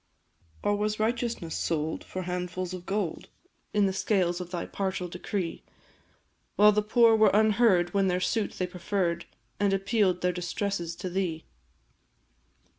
Or was righteousness sold for handfuls of gold In the scales of thy partial decree; While the poor were unheard when their suit they preferr'd, And appeal'd their distresses to thee?